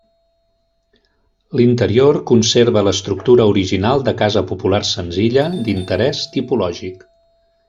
L'interior conserva l'estructura original de casa popular senzilla, d'interès tipològic.